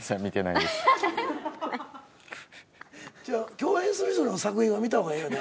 共演する人の作品は観た方がええよね。